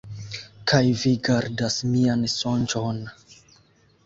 Kaj vi gardas mian sonĝon.